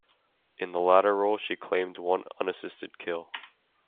In the latter role, she claimed one unassisted kill.